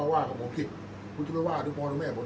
อันไหนที่มันไม่จริงแล้วอาจารย์อยากพูด